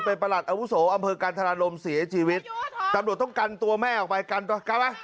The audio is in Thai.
ไปประหลัดอวุโสอำเภอกันธรรมสีให้ชีวิตตำลวดต้องกันตัวแม่ออกไปกันตัวกันไป